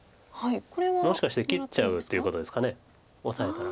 もしかして切っちゃうということですかオサえたら。